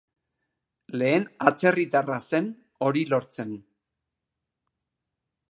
Lehen atzerritarra zen hori lortzen.